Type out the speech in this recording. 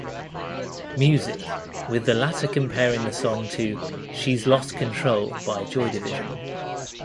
Music, with the latter comparing the song to "She's Lost Control" by Joy Division.